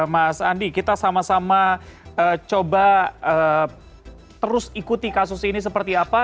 mas andi kita sama sama coba terus ikuti kasus ini seperti apa